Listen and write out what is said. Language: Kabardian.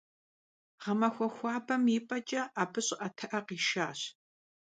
Ğemaxue xuabem yi p'eç'e abı ş'ı'etı'e khihaş.